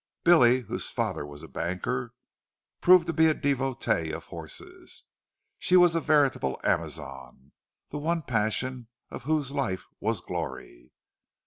"Billy," whose father was a banker, proved to be a devotee of horses; she was a veritable Amazon, the one passion of whose life was glory.